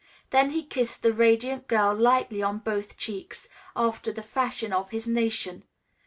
Then he kissed the radiant girl lightly on both cheeks, after the fashion of his nation.